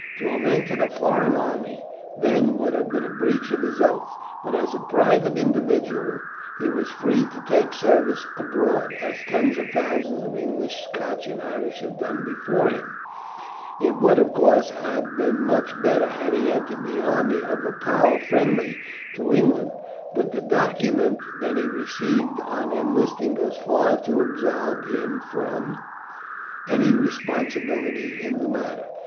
To have entered a foreign army then would have been a breach of his oaths. But as a private individual he was free to take service abroad, as tens of thousands of English, Scotch, and Irish have done before him. It would, of course, have been much better had he entered the army of a power friendly to England, but the document that he received on enlisting goes far to absolve him from any responsibility in the matter.